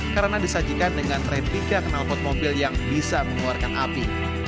karena disajikan dengan replika kenalpot mobil yang bisa mengeluarkan api